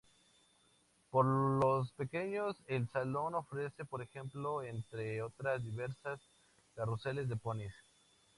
Para los pequeños el Salón ofrece por ejemplo, entre otras diversiones, carruseles de ponis.